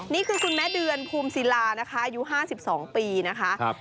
นี่คือคุณแม่เดือนภูมิศิลานะคะอายุ๕๒ปีนะคะ